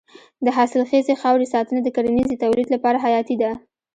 د حاصلخیزې خاورې ساتنه د کرنیزې تولید لپاره حیاتي ده.